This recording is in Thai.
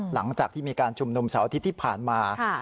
หลังจากที่มีการชุมนุมเสาร์อาทิตย์ที่ผ่านมา